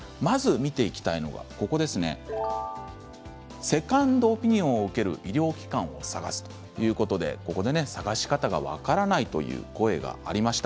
見ていきたいのはセカンドオピニオンを受ける医療機関を探す探し方が分からないという声がありました。